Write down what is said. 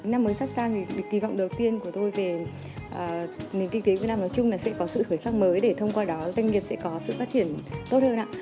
năm mới sắp sang thì kỳ vọng đầu tiên của tôi về nền kinh tế việt nam nói chung là sẽ có sự khởi sắc mới để thông qua đó doanh nghiệp sẽ có sự phát triển tốt hơn ạ